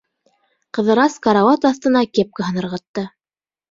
Ҡыҙырас карауат аҫтына кепкаһын ырғытты.